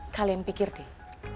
kalian pikir deh